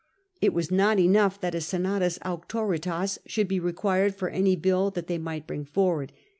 It was not enough that a Bmatus amt&Htas should be required for any bill that they might bring forward.